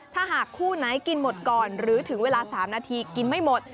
ถ้าหากคู่ไหนกินหมดก่อนหรือถึงเวลา๓นาทีกินไม่หมด